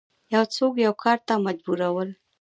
یو څوک یو کار ته مجبورول